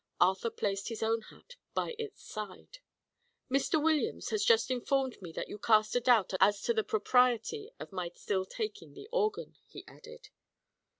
Arthur placed his own hat by its side. "Mr. Williams has just informed me that you cast a doubt as to the propriety of my still taking the organ," he added.